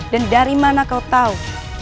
dan dari mana kau tahu